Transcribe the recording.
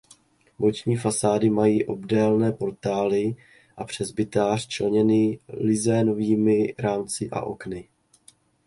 Boční fasády mají obdélné portály a presbytář členěny lizénovými rámci a okny.